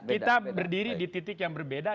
kita berdiri di titik yang berbeda